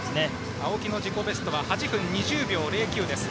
青木の自己ベストは８分２３秒０９です。